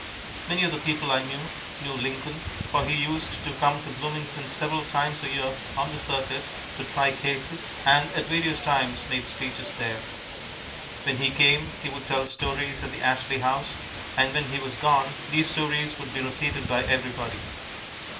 Many of the people I knew, knew Lincoln, for he used to come to Bloomington several times a year "on the circuit" to try cases, and at various times made speeches there. When he came he would tell stories at the Ashley House, and when he was gone these stories would be repeated by everybody.